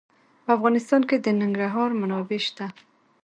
په افغانستان کې د ننګرهار منابع شته.